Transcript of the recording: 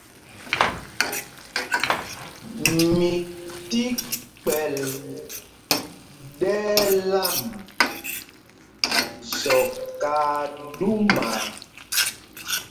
Mi ti kpɛ̌l ɗɛ̄l ām Zɔk aa ɗúmaa.